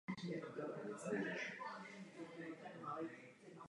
Reprezentovala na čtyřech letních olympijských hrách.